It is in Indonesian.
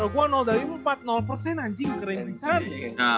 goal gua dari empat anjing keren bisa